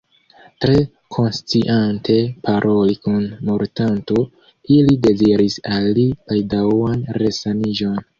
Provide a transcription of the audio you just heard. Tre konsciante paroli kun mortanto, ili deziris al li baldaŭan resaniĝon.